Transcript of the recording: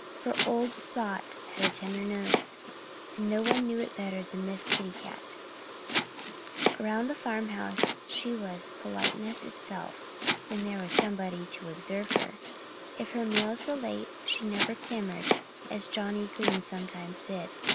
For old Spot had a tender nose. And no one knew it better than Miss Kitty Cat. Around the farmhouse she was politeness itself when there was anybody to observe her. If her meals were late she never clamored, as Johnnie Green sometimes did.